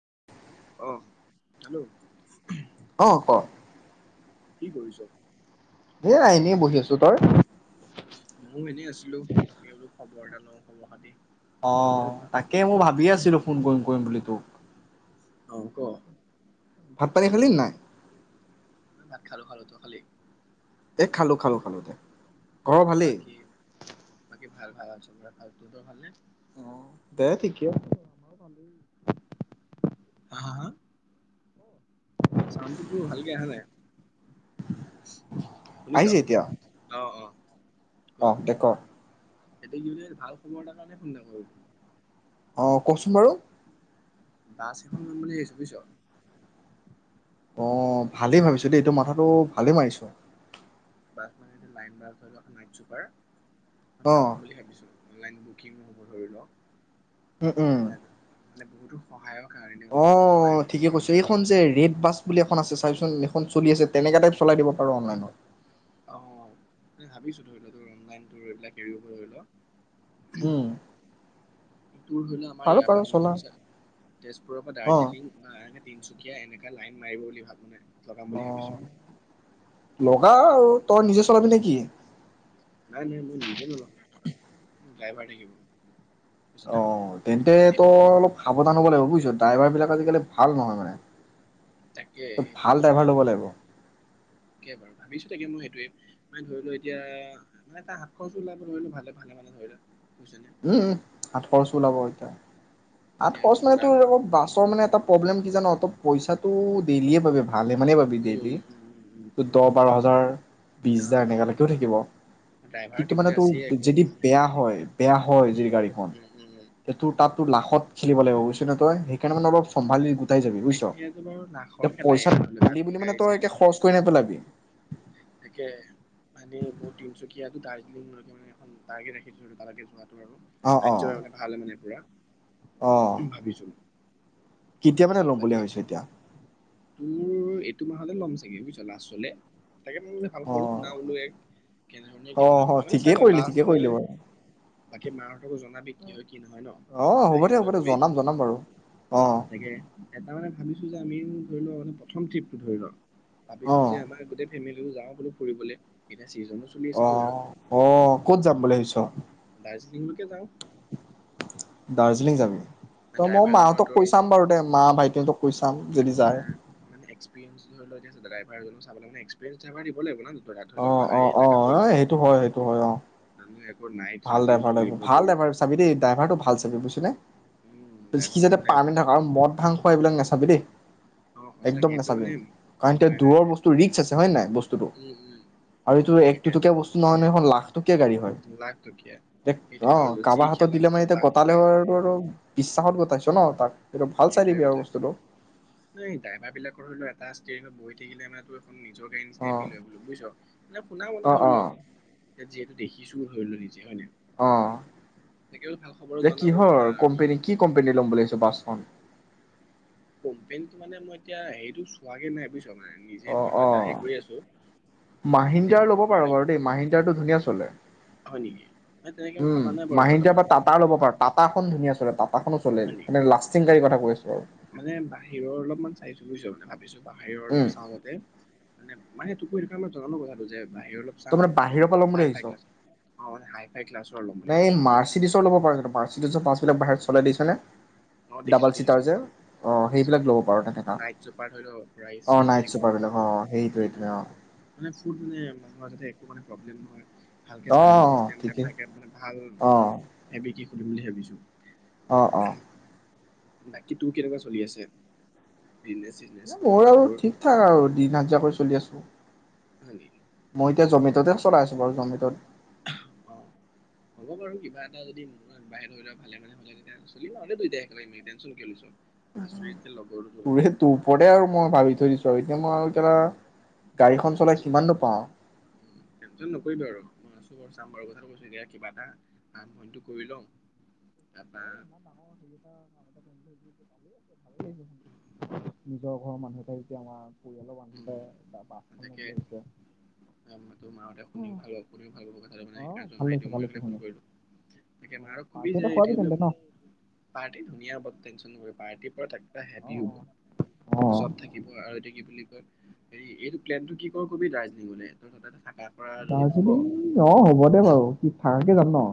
[unintelligible] অ hello. [inaudible] অ' ক কি কৰিছ? এয়া, এনেই বহি আছো তই? ময়ো এনেই আছিলো তাকে বোলো খবৰ এটা লও, খবৰ খাতি। অ' কেনেকুৱা তাকে মই ভাবিয়ে আছিলো ফোন কৰিম, কৰিম বুলি। [inaudible] অ' ক ভাত-পানী খালি নাই? ভাত খালো, খালো। তই খালি? এই খালো, খালো, খালো দে। ঘৰৰ ভালেই বাকী, বাকী ভাল, ভাল আছোঁ আৰু তহঁতৰ ভালনে? অ' দে ঠিকে আছে, আমাৰো ভালেই। হা হা হা? চাউণ্ডটো তোৰ ভালকে আহা নাই। শুনিছ আহিছে এতিয়া অ' অ'। অ' এতিয়া ক। হেল্পিং নিউ দে ভাল খবৰ এটা কাৰণে ফোন এটা কৰিলো। অ' কওক চোন বাৰু? বাছ এখন লম বুলি ভাবিছো বুজিছ। অ' ভালেই ভাবিছ দেই, তই মাথাটো ভালে মাৰিছ। বাছ মানে এটো লাইন বাছ, ধৰি ল' এখন নাইট চুপাৰ। অ মই ল'ম বুলি ভাবিছো। অনলাইন বুকিং হ'ব ধৰি ল'। উম উম মানে বহুতো সহায়ক অ' ঠিকে কৈছ, এইখন যে ৰে'ড বাছ বুলি এখন আছে, চাবিচোন এখন চলি আছে তেনেকোৱা টাইপ চলাই দিব। আৰু অনলাইনত অ ভাবিছো ধৰি লোৱা তোৰ অনলাইন, তোৰ এইবিলাক এৰি হব ধৰি ল হুম তোৰ ধৰিল আমাৰ ইয়াৰ পৰা মিছন চাৰ তেজপুৰৰ পৰা অ দাৰ্জিলিং বা তিনচুকীয়া এনেকুৱা লাইন মাৰিব বুলি ভাবোঁ। লগাম অ বুলি ভাবিছোঁ। লগা আৰু, তই নিজে চলাবি নে কি? নাই, নাই মই নিজে নচলাও ড্ৰাইভাৰ থাকিব। বুজিছ না অ' তেন্তে তই এইবোৰ অলপ সাৱধান হব লাগিব বুজিছ। ড্ৰাইভাৰ বিলাক আজিকালি ভাল নহয় মানে, তাকে তই সেইটো ভাল তাৰ ড্ৰাইভাৰ মানে ল'ব লাগিব কেই বাৰু ভাবিছো। এতিয়া মোৰ এইটোৱে, মানে ধৰি ল এতিয়া কিবা এটা হাত খৰচ ওলাৱ ভালে, ভালে হলে। উম সাতশৰ-া ওলাব এতিয়া এতিয়া আঠখৰছ মানে ঘূৰা তোৰ ঘৰ বাছৰ মানে এটা প্ৰব্লেম কি জান? পইচাটো দেইলিয়ে পাবি ভালে মানেই পাবি উম ডেইলি, উম উম উম উম দহ বাৰ হাজাৰ, বিশ হাজাৰ এনেকুৱালৈকেও থাকিব, অ ড্ৰাইভাৰ কিন্তু মানে দিবলৈ আছেই তোৰ আকৌ যদি বেয়া হেণ্ডিমেড উম হয় বেয়া হয় যদি গাড়ীখন উম উম উম তোৰ তাত লাখ খেলিব লাগিব বুইছ নে তই, সেইকাৰণে মানে অলপ চম্ভালি উটাই যাবি বুজিছ, সেইয়াতো বাৰু লাখৰ এতিয়া খেলাই পইচা আৰু ধৰি লও তাত পালি বুলি মানে গাড়ী তই চাড়ী একে লৈ। খৰচ কৰি নেপেলাবি। তাকে মানে মোৰ তিনচুকীয়াটো দাৰ্জিলিংকে মানে এখন তাৰ্গেট ৰাখিছিলো তালকে অ', অ', য [unintelligible] অ'। ভাবিছো কেতিয়া মানে ল'ম বুলি বাকী ভাবিছ এতিয়া। তোৰ এইটো মাহলৈ [unintelligible] লাষ্ট চলে তাকে বোলো ভাল অ খবৰটো শুনা বুলো এ কেনেধৰনে অ কেনেকোৱা অ কিবা মানে ঠিকেই চাই লোৱা কৰিলি ঠিকেই কৰিলি বাৰু লাষ্টলৈ কি মা হতকো জনাবি কি হয় নহয় ন অ হ'ব দে হ'ব আহিবলৈ দে কবি জনাম জনাম বাৰু অ তাকে এটাৰ মানে ভাবিছো যে আমিও ধৰি লও প্ৰথম ট্ৰিপটো ধৰি লও অ ভাবিছো যে আমাৰ গোটেই ফেমিলি দুয়ো যাওঁ বোলো ফুৰিবলে চিজনো চলি আছে অ ধৰি লও অ ক'ত যাম বুলি ভাবিছ ত দাৰ্জিলিং লৈ কে যাওঁ দাৰ্জিলিং যাবি ত মই ড্ৰাইভাৰজনৰ মাহঁতক তোৰ কৈ চাম বাৰু দে মা ভাইটিহঁতক কৈ চাম যদি যায় মানুহজনক চাবলে মানে এক্সপিৰিয়েন্স ড্ৰাইভাৰ দিব লাগিব নানি অ অ অ সেইটো হয় সেইটো হয় অ মানুহ একো নাইট ভাল ৰাতিও ড্ৰাইভাৰ লাগিব চলিব ভাল তোৰ ড্ৰাইভাৰ চাবি দেই ড্ৰাইভাৰটো ভাল চাবি বুইছ উম হয়নে সি ড্ৰাইভাৰ ভাল যাতে লাগিব পানী থকা মদ ভাং তৈ এইবিলাক নাচাবি দেই অ সঁচাকে একদম এইটো নাচাবি মানে উম কাৰণ এতিয়া নাই নাই দূৰৰ নাই বস্তু ৰিক্স আছে হয় নে বস্তুটো উম উম আৰু এইটো তাকে একটকিয়া বস্তু নহয় ন লাখ টকীয়া গাড়ী হয় লাখ টকীয়া দে সেইটোৱে অ আৰু যি কাবাৰ হাতত খেলা দিলে হ'ল মানে চব এতিয়া লাখ টকাই গটালেৰু আৰু বিশ্বাসত গটাইছে ন তাক এইটো ভাল চাই সেইটোৱে দিবি আৰু কথা বস্তুটো নাই ড্ৰাইভাৰ বিলাকৰনো এ ক্লাছ টেনত বহি থাকিলে মানে টোৰ নিজকে অ নিচিনাই ফিল হয় বোলোঁ বুজিছ মানে শুনা মন অ ধৰি অ ল ইয়াত যিহেতু দেখিছো ধৰি ল অ ভাল খবৰো দে জনাবলৈ কিহৰ মাহঁতক কোম্পানী কি কোম্পানী ল'ম বুলি ভাবিছ বাছখন কোম্পানীটো মানে মই এতিয়া হেৰিটো চোৱাগে নাই বুজিছ মানে নিজে অ ধৰি লও অ এটা হেৰি কৰি আছো মানে নিজে মাহিন্দ্ৰাৰ ল'ব বনোৱা পাৰ কাৰণে বাৰু দেই মাহিন্দ্ৰাটো ধুনীয়া চলে হয় নেকি মানে তেনেকে উম ভাবা নাই বাৰু মাহিন্দ্ৰা বৰ্তমান বা টাটা ল'ব পাৰ টাটা খন ধুনীয়া চলে টাটাখনো চলে হয় নেকি মনে লাষ্টিং গাড়ীৰ কথা কৈ আছো আৰু বিছো বাহিৰৰ অলপ উম চাওঁতে মানে [unintelligible] জনানো কথাটো যে বাহিৰ অলপ তই চাওঁ মানে বাহিৰৰ অ', পৰা ল'ম বুলি হাই ফাই ভাবিছ ক্লাছ অ', মই হাই ফাই ক্লাছ [unintelligible] এই মাৰ্চিডিছৰ ল'ব পাৰে মাৰ্চিডছ [unintelligible] [unintelligible] অ', দেখিছো দেখিছো দেখিছো সেইবিলাক ল'ব পাৰ তেনেকা নাইট চুপাৰ [unintelligible] [unintelligible] অ নাইট চুপাৰ বিলাক অ সেইটোৱে অ প্ৰব্লেম নহয়। ভালকে অ চাৰ্জিং চিষ্টেম টাইপ ঠিকেই থাকে মানে ভাল অ [unintelligible] কৰিম বুলি ভাবিছোঁ। অ', অ। বাকী তোৰ কেনেকুৱা চলি আছে? বিজনেচ চিজনেচ মোৰ আৰু এইবোৰ ঠিক ঠাক আৰু দিন হাজিৰা কৰিছো চলি আছো। [inaudible] মই এতিয়া জমেট'তে চলাই আছো বাৰু জমেটত। অ', হ'ব বাৰু কিবা এটা যদি ম বাহিৰত ধৰি লোৱা ভালে মানে হ'লে তেতিয়া চলিম আৰু [unintelligible] একেবাৰে টেনচন কিয় লৈছ? আছো যেতিয়া লগৰটো তোৰ লগত তোৰে তোৰপৰে আৰু মই ভাবি থৈ দিছো আৰু এতিয়া মই আৰু [unintelligible] গাড়ীখন চলাই সিমান নো পাওঁ। উম, টেনচন নকৰিবি আৰু মই [unintelligible] কথাটো কৈছো এতিয়া কিবা এটা আৰম্ভণিটো কৰি লওঁ অ তাপা ইমান ডাঙৰ হেৰি এটা কাম এটা কৰিম বুলি ভাবিছো ভালেই আছে ভালেই লাগিছে শুনি নিজৰ ঘৰৰ মানুহ এটাই যেতিয়া আমাৰ পৰিয়ালৰ উম মানুহতে [unintelligible] তাকে তোৰ মা হঁতে শুনিও ভাল শুনিও ভাল পাব কথাটো মানে অ সেইকাৰণে ভাল জনাই লাগিছে দিও ভাল মই লাগিছে সেইকাৰণে ফোন শুনি কৰিলো তাকে অ মাৰক আৰু কবি পাৰ্টি যে এটা খোৱাবি তেন্তে ন পাৰ্টি ধুনীয়া হ'ব টেনচন পাৰ্টিৰ অ সেতিয়ো অ অ চব থাকিব আৰু এতিয়া কি বুলি হেৰি এই প্লেনটো কি কৰ কবি দাৰ্জিঙলে দাৰ্জিলিং অ', হ'ব দে বাৰু কি কেতিয়া যাম ন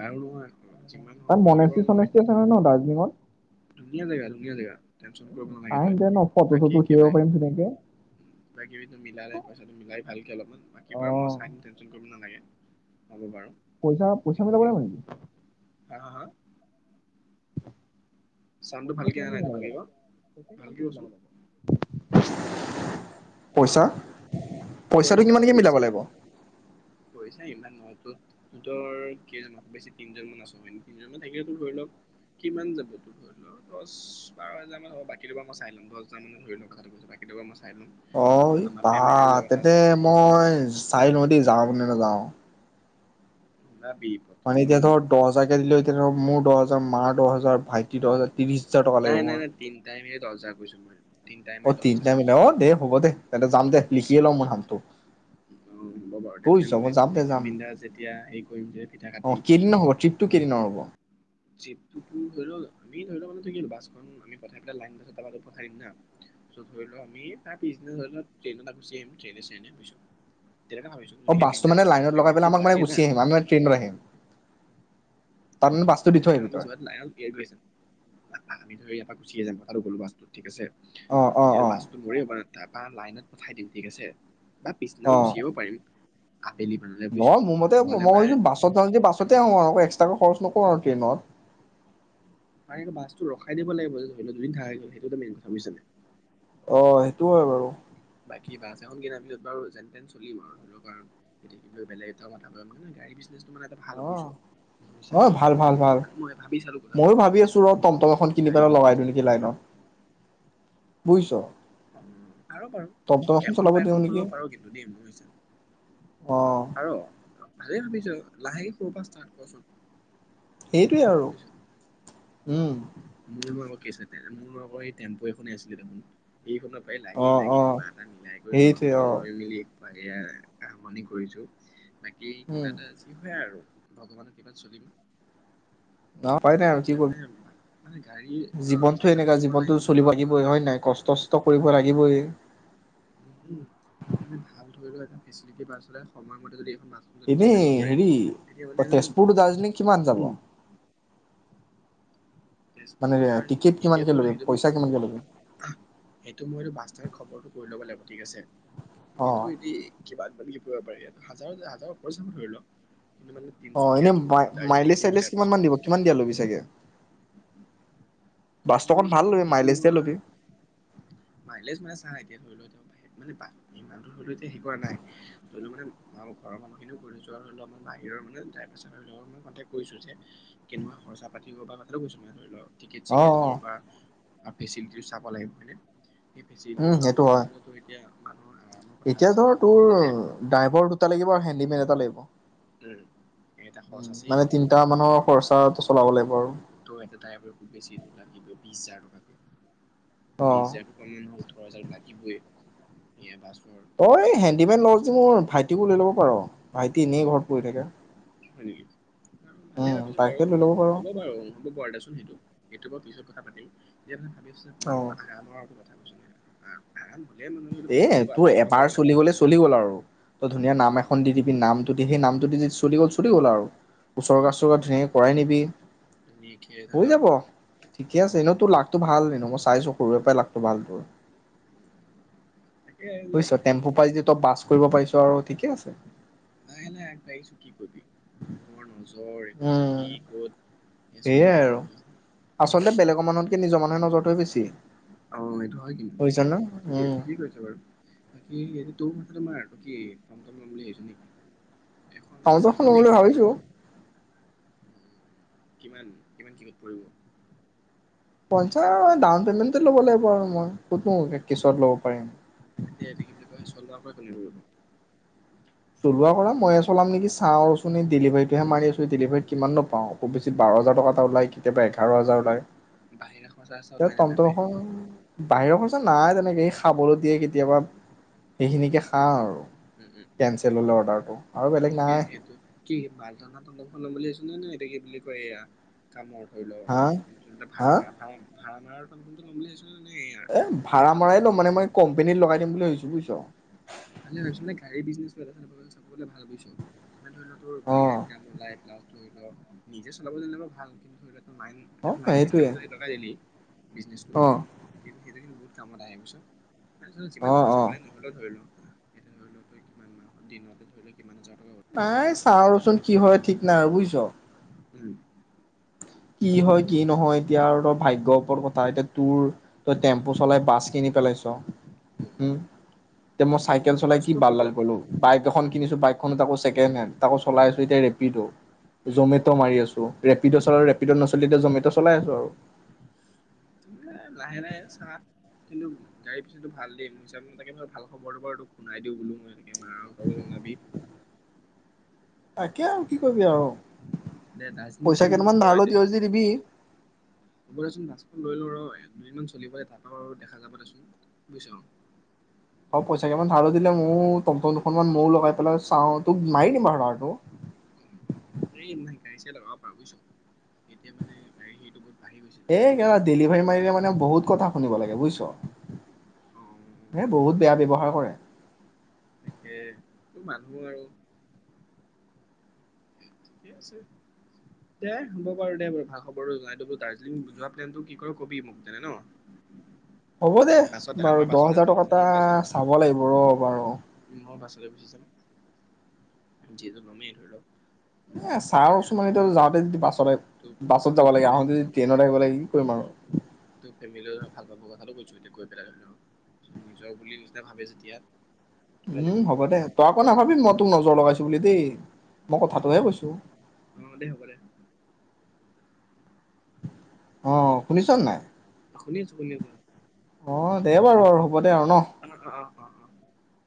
বাৰু যিমান তাত হ'ব লাগে মনেচি বাৰু চনেচি আছে নহয় ন দাৰ্জিলিঙত? ধুনীয়া জেগা ধুনীয়া জেগা। টেনচন কৰিব নালাগে চাই তই। আহিম দে ন ফটো চটো বাকী উঠি কেবা আহিব পাৰিম ধুনীয়াকে কিবা কিবিটো মিলালে- পইছাটো মিলাই ভালকে অলপমান বাকী অ বাৰু মই চা টেনচন কৰিব নালাগে। হ'ব বাৰু। পইচা পইচা মিলাব পাৰিবা নেকি হা হা [inaudible] চাউণ্ডটো পইচা ভালকে কিমান অহা নাই কিন ভালকে লাগ ক পইচা কিমান ভালকে কিন কচোন লাব লাগিব পইচা পইচাটো কিমানকে মিলাব লাগিব? পইছা ইমান নহয়টো তোৰ তৰ কেইজন আকৌ বেছি তিনজন মান আছো হয় তিনজন মান থাকিলে তোৰ ধৰি লওক কিমান যাব তোৰ ধৰি লওক দহ বাৰ হাজাৰ মান হ'ব বাকী তোবা মই চাই ল'ম দহ হাজাৰ মানে ধৰি ল কথাটো কৈছো বাকী তোবা মই চাই ল'ম অ আমাৰ পা ফেমিলি যোৱা কথা তেন্তে আছে মই চাই যদি যাও কোন দিনা যাওঁ। ওলাবি প্ৰথম মানে এতিয়া ধৰ দহ হাজাকে দিলেও উম, এতিয়া ধ মোৰ দহ হ মাহ দহজাৰ‌ ভাইটি টকা ত্ৰিশ হাজাৰ টকা লাগিব মোৰ। টাইম দহজ কৈছো মই তিনটাই অ মিলি দহ হাজাৰ তিনিটা মিলি কৈছো অ দে হ'ব দে তে যাম দে। লিখি লওঁ ম হাততো অ হ'ব বাৰু সেইকাৰণে দে মানে যাম বিন্দা যেতিয়া হেৰি কৰিম যে পিঠা অ কাটিম। কেইদিনৰ হ'ব ট্ৰিপটো কেইদিনৰ হ'ব টো ধৰি ল আমি ধৰি ল মান থাকিলো বাছখন আমি পঠাই পেলাই লাইন বাছ পঠাই দিম না ধৰি ল আমি তাৰ পিছদিনা ধৰি ল ট্ৰেইন এটা গুচি আহিম ট্ৰেইনেছো অ বাছটো মানে লাইনত লগাই পেলাই আমাক মানে লাগে না গুচি আহিম আমিে ট্ৰেইনত আহিম। তাৰমানানে বাস্তু দি ধৰি থৈ লও আহাবি আমি তই? যোৱাত লাইনত এৰ গৈছে আমি ধৰি ইয়াৰ পৰা গুচিয়েই যাম কথাটো'লো বাছটো ঠিক আছে। অ অ যেয়া অ বাস্তটো ধৰ- তাৰপা লাইনত পঠাই দিম ঠিক আছে। বা অ পিছনাও গুচিয়িব পাৰিম। আবেলি মানলে বুজিছ নহয় মোৰ মতে মই নহ'লে মানে ভাবিছো বাছ য যে বাছতে আহো আৰু এক্স্ৰ খচ নকওঁ আৰু ট্ৰেইনৰ তাৰে বাছতটো ৰখাই দিব লাগিব যে ধৰি লও দুদিন থাক সেইটো এটা মেইন কথা বুজছ ননে? অ সেইটো হয় বাৰু। বা বাছ এখন কিনে আৰু বাৰো যেন তেন চলিম আৰু ধৰি লক কাৰ আৰু এয়া কিব বলেগ এটা মা মানে গাড়ী অ অ ভাল ভাল ভাল ভালানে মই ভাবি ময়ো ভাবি আছো ৰ টমটম এখন কিনি পেলাই লগাই চোথা বুইছ? অ আৰু বাৰু ত এখনৰ চলাব পৰা দিওঁ এখন নেকি কৰিব পাৰো কিন্তু দেই অ ভালে ভাবিছ লাহেকে সৰে পৰা ষ্টাৰ্ট কৰচোন। সেইটোৱে আৰু। উম। মোৰ ল আৌ মোৰ আৌ এই টেম্পু এখনেই আছিলে তোন সেই সময় পায় অ লাগি লাগি অ কিবা এটা মিলাই কৰি সেইটোৱে লন অ চন লৈ মেলি এইয়া আৰম্ভনি কৰিছো। এই উম কিবা এটা, যি হয় আৰু, ভগৱানৰ কৃপাত চলিম ন পাই নাই আৰু যে কি মানে মানে গাড়ী কৰি অ জীৱনতো এনেকুৱা, বাছৰ জীৱনতো চলিব লাইনবোৰৰ ধৰি লাগিবই লও হয় নে নাই কষ্ট চষ্ট কৰিব লাগিবই। উম মানে ভাল ধৰি লও এটা [unintelligible] এনেই ট্ৰেভেল কৰে হেৰি তেতিয়া মানে তেজপুৰ টু দাৰ্জিলিং কিমান যাব! মানে তেজপুৰ দাৰ্জিলিং, টিকেট এতিয়া কিমানকে ধৰি লও ল'বি সেইটো পইচা কিমানকে ল'বি? মই সেইটো মইটো বাছেণ্ড খবৰটো কৰি ল'ব লাগিব। ঠিক আছে। অঁ এতিটো এদ কি বা কি কৰিব পাৰি হাজ হাজৰ ওপ ধৰি লক অ এনেই মাই মাইলেজ চাইলেজ বুলি কিমান ভাবিছো মান দিব, কিমান দিয়া লবি চাগে, কিমান বাছটো আকন মানে ভাল ল'বি, সেইটো মাইলেজ দিয়া মই ল'বি। মাইলেজ [unintelligible] অঁ অঁ কেছৰ বা ভাবি চিন্তিও চাব লাগিব সেই ফেচিলিটো উম চোৱা সেইটো মানে হয়। ধৰি লওতো এতিয়া মানুহৰ আৰামৰ কথা এতিয়া আছে ধৰ তোৰ, যাতে ড্ৰাইভাৰ দুটা লাগিব আৰু হেণ্ডিমেন এটা লাগিব। অ' উম এটা খৰচ আছেই তিনিটা মানুহৰ খৰচাটো চলাব লাগিব আৰু ত এটা টায়াৰত লাগিবই বিশ হাজাৰ টকা। অঁ। বিশ হাজাৰ টকমানয় ওঠৰ হাজানায়। [unintelligible] এই হেণ্ডিমেন লৱ যদি মোৰ ভাইটিকো লৈ ল'ব পাৰ, ভাইটি এনেই ঘৰত পৰি থাকে। হয় নেকি? ভালে উম ভাবিছ, বাৰু তাকে লৈ ল'ব পাৰ। হ'ব, বাৰু হ'ব বাৰু দেচোন সেইটো সটো বাৰু পিছত [unintelligible] অ', [unintelligible] [unintelligible] এ পইচা দিব তোৰ আফচোচ নকৰে এবাৰ না চলি গলে চলি গ'ল আৰু, তই ধুনীয়া নাম অ', এখন দি দিবি নাম তদি সেই নামটো যদি চলি গ'ল, চলি গ'ল আৰু, উৰ্ছগা উম, চুৰ্ছগা ধুনীয়াকে কৰাই নিবি, ধুনীয়াকে ধৰি হৈ লওক যাব, ঠিকে আছে এনেও তোৰ লাকটো ভাল। নমস্কাৰ চাইছো সৰুৰে পৰাই লাগতো ভাল তোৰ তাকে বুজছ এইবিলাক টেম্পু পাই য ত বাছ কৰিব পাৰিছো আৰু ঠিকে আছে লাহে লাহ আগবাঢ়িছো কি কবি মানুহৰ নজৰ উম, কি কত এ চলি সেয়াই থাকে আৰু আচলতে নহয় বেলেগৰ মানুহতকে নিজৰ মানুৰ নজৰটো বেচি অ এইটো হয় কিন্তু ঠিকেই উম। ঠিকেই কৈছে বাৰু বাকী এই তোৰ মাথাটো আগতেই টমটম লম বুলি আহিছো নেকি এখন আওত বাছ শ লম কিমান বুলি ভাবিছো কিমান কিমান সিনি পৰিব পইচা ডাউন পেমেন্তে ল'ব লাগিব আৰু মই কতনো কেছত ল'ব পাৰিম এতিয়াএটি কি বুলি কয় চনদাৰ পৰা কুলি কৰিবব চলোৱা কৰা মইযে চলাম নেকি চাওঁ ৰচোন ডেলিভাৰীটোহে মাৰি আছো ডেলিভাৰীত কিমানো পাওঁ খুববেছি বাৰ হাজৰ টকা এটা ওলাই কেতিয়াবা এঘাৰ হাজাৰ ওলায় বাহিৰা খৰচা চৰচা এতিয়া ওলাই নে তম নাই তম বাহিৰা খন বাহিৰৰ যে নাই তেনেকে স খাবলৈ দিয়ে কেতিয়াবা সেইখিনিকে উম খাওঁ আৰু উম হুম কেনঞ্চেল হলে অৰ্ডাৰটো আৰু বেলেগ তাকে নাই সেইটো কি মালনা তল বুলি কি বুলি কয় এয়া কামৰ হা [unintelligible] [unintelligible] এয়া এ ভাড়া মালটনা মৰাই লওঁ মানে মই কম্পেনিত লগাই দিম বুলি ভাবিছো বুজিছ। ভালে ভাবিছ মানে গাড়ী বীজনেছ চাব গলে ভাল বুজিছ। মনে ধৰিল তোৰ অ বাহিৰা নিদাম ওলাই প্লাজ। ধৰি লওক নিজে চলাব জন ভাল কিন্তু ধৰি লও, লাইন অ এটা লাইন চিষ্টম সেইটোৱে ম লগাই দিলি। বিজনেছটো অ সেইটো-সেইটো কিন্তু বহুত কামত আহে বুজিছ। কিছুমান অ পইচা অ পা নহয়। ধৰি ল এ ধৰি ল তই কিমান মাহ দিনতে ধৰি ল কিমান হাজাৰ টকা। নাই চাওঁৰচোন কি হয় ঠিক নাই বুজিছ। উম, কি হয় কি নহয় এতিয়া আৰু তই ভাগ্যৰ ওপৰত কথা এতিয়া তোৰ তই টেম্পু চলাই বাছ কিনি পেলাইছ। উম, তে মই চাইকেল চলাই কি কষ্ট কৰিব বালডাল কৰিলো। বাই, এখন কিনিছো বাইকখনো ছেকেণ্ডহেণ্ড তাকো চলাই আছো এতিয়া ৰেপিডো। উম জমেট' মাৰি আছো। ৰেপডও চলাও ৰেপিড, ৰেপিড নচলীলে এতিয়া জমেটো চলাই আছো আৰু। ত লাহে-লাহে চা কিন্তু গাড়ী পিছটো ভাল দিম নিছানে তাকে ম ভাল খবৰটো বাৰু তোক শুনাই দিওঁ বোলো মই তাকে মাৰ তাকে জনাবি। তাকে আৰু কি কৰিবি আৰু। দে দাৰ্জিলিং পইচা প্লেনটো কি কেইটামান কৰা ধাৰলৈ এতিয়া দিয় যদি দিবি। হ'ব দেচোন বাছখন লৈ লো ৰ এক দুদিনমান চলিবলৈ তাপা আৰু দেখা যাবা দেচোন বুজছ। অ' পইচা কেইমান ধাৰ দিলে ময়ো টমটম দুখন মান ময়ো লগাই পেলাই চাওঁ তোক মাৰি দিম বাৰু ধৰাটো। এই নাই গাড়ী চাই লগাব পা বুজিছ এতিয়া মানে গাড়ী সেইটো বহু এই কেলা ডেলিভাৰী মাৰিলে মানে বহুত কথা। শুনিব লাগে বুজছ। অ এ বহুত বেয়া ব্যৱহাৰ কৰে। আহো আৰু। দে হ'ব বাৰু দে বাৰু ভাল খবৰটো জনাই দিলো। দাৰ্জিলিং যোৱা প্লেনটো কি কৰ কবি মোক তেনে ন। হ'ব দে বাছতে আমাৰ বাৰু দহ বাছতে হাজাৰ যাম টকা এটা মই বাছত চাব লাগিব ৰ বাৰু। মই বাছতে গুচি যাম। যিহেতু লমেই ধৰি লওক। উম, এ ছাওৰচোন মানে তোৰ যাওঁতে যদি তোৰ বাছত যাব তোৰ লাগে ফেমে আহোঁতে যদি ট্ৰেইনত আহিব লাগে কি কৰিম আৰু। তোৰ ফেমিলিও ভাল পাব কথাটো কৈছো এতিয়া গৈ পেলাই লৈ ল'ব। নিজৰ বুলি যেতিয়া ভাবে যেতিয়া। হয় নাই উম' হ'ব দে। তই আকৌ নাভাবিম মই তোক নজৰ লগাইছো বুলি দেই। মই নাই কথাটোহে নাই কৈছো। অ দে হ'ব দে অ' শুনিছ নাই? শুনি আছো শুনি আছো অ' দে বাৰু আৰু দে আৰু ন। অ' অ' অ'।